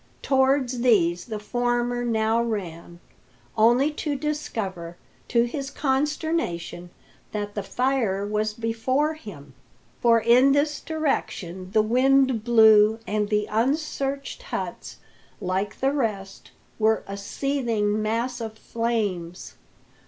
Towards these the former now ran, only to discover, to his consternation, that the fire was before him. For in this direction the wind blew, and the unsearched huts, like the rest, were a seething mass of flames.